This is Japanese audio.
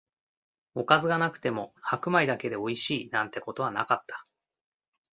おかずがなくても白米だけでおいしい、なんてことはなかった